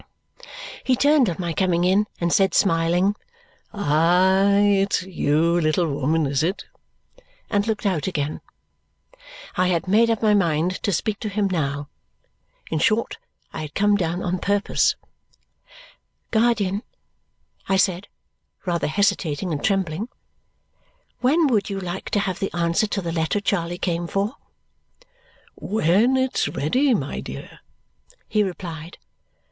He turned on my coming in and said, smiling, "Aye, it's you, little woman, is it?" and looked out again. I had made up my mind to speak to him now. In short, I had come down on purpose. "Guardian," I said, rather hesitating and trembling, "when would you like to have the answer to the letter Charley came for?" "When it's ready, my dear," he replied.